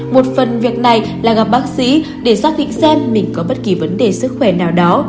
một phần việc này là gặp bác sĩ để xác định xem mình có bất kỳ vấn đề sức khỏe nào đó